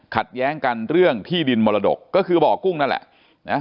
แย้งกันเรื่องที่ดินมรดกก็คือบ่อกุ้งนั่นแหละนะ